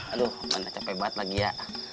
aduh mana capek banget lagi ya